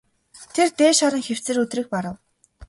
Тэр дээш харан хэвтсээр өдрийг барав.